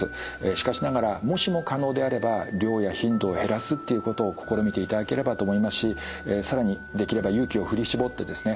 しかしながらもしも可能であれば量や頻度を減らすっていうことを試みていただければと思いますし更にできれば勇気を振り絞ってですね